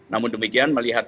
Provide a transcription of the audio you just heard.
namun demikian melihatnya